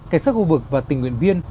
cảnh sát khu vực và tình nguyện viên